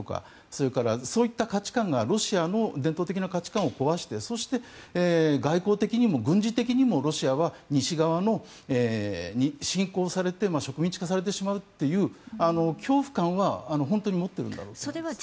それから、そういった価値観がロシアの伝統的な価値観を壊してそして外交的にも軍事的にもロシアは西側に侵攻されて植民地化されてしまうという恐怖感は本当に持っているんだろうと思います。